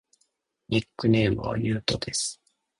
ニックネームはゆうとです。